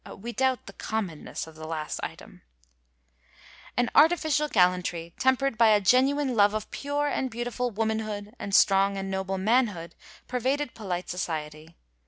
'^ (We doubt the commonness of the last item.) An artificial gallantry temperd by a genuine love of pure and beautiful woman hood and strong and noble manhood, pervaded polite society.